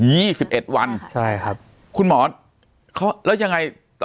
สิบเอ็ดวันใช่ครับคุณหมอเขาแล้วยังไงต่อ